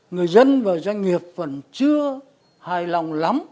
người dân và doanh nghiệp vẫn chưa hài lòng lắm